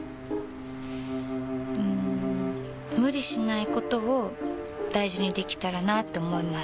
うん無理しないことを大事にできたらなって思います。